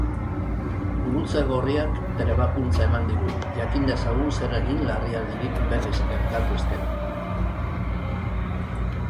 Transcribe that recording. Gurutze Gorriak trebakuntza eman digu, jakin dezagun zer egin larrialdirik berriz gertatu ezkero.